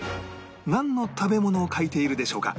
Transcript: なんの食べ物を描いているでしょうか？